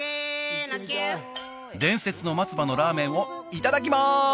伝説の松葉のラーメンをいただきます！